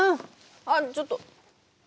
あっちょっと。